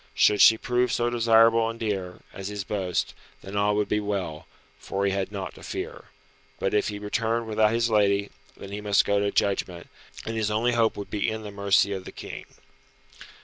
Should she prove so desirable and dear, as his boast, then all would be well, for he had naught to fear. But if he returned without his lady, then he must go to judgment, and his only hope would be in the mercy of the King.